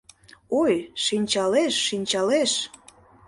Ой, шинчалеш, шинчалеш.